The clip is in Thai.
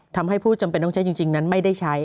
ทำให้ผู้จำเป็นต้องใช้จริงนั้นไม่ได้ใช้